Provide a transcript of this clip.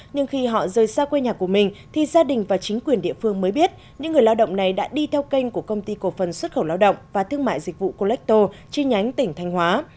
nhưng khi họ rời xa quê nhà của mình thì gia đình và chính quyền địa phương mới biết những người lao động này đã đi theo kênh của công ty cổ phần xuất khẩu lao động và thương mại dịch vụ colecto trên nhánh tỉnh thanh hóa